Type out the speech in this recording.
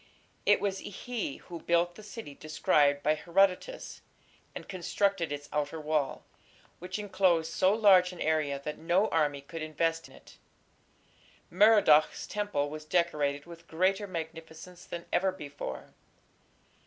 It was he who built the city described by Herodotus (pp. 219 et seq.), and constructed its outer wall, which enclosed so large an area that no army could invest it. Merodach's temple was decorated with greater magnificence than ever before.